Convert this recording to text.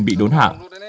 bị đốn hạ